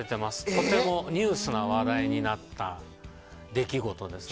とてもニュースな話題になった出来事ですね。